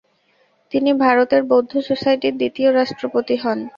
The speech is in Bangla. তিনি ভারতের বৌদ্ধ সোসাইটির দ্বিতীয় রাষ্ট্রপতি হন।